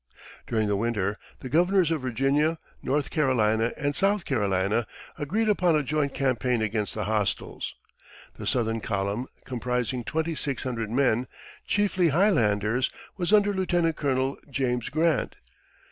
During the winter, the governors of Virginia, North Carolina, and South Carolina agreed upon a joint campaign against the hostiles. The southern column, comprising twenty six hundred men, chiefly Highlanders, was under Lieutenant Colonel James Grant.